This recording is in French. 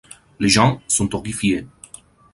Les gens sont horrifiés.